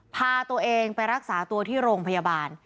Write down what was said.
พาตัวเองไปรักษาตัวที่โรงพยาบาล